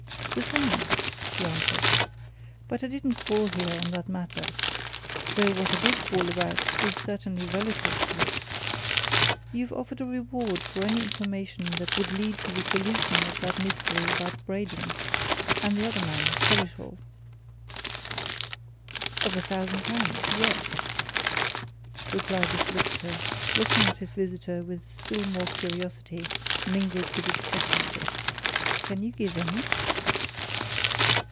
"The same," he answered. "But I didn't call here on that matter though what I did call about is certainly relative to it. You've offered a reward for any information that would lead to the solution of that mystery about Braden and the other man, Collishaw." "Of a thousand pounds yes!" replied the solicitor, looking at his visitor with still more curiosity, mingled with expectancy. "Can you give any?"